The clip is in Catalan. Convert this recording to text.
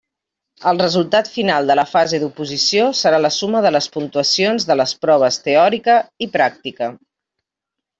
El resultat final de la fase d'oposició serà la suma de les puntuacions de les proves teòrica i pràctica.